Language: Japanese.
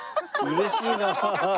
嬉しいなあ！